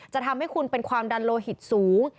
จะทำให้คุณเป็นความดันโลหิตสูง